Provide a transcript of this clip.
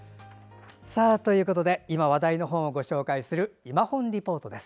今、話題の本をご紹介する「いまほんリポート」です。